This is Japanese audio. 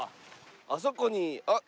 あそこにあっ！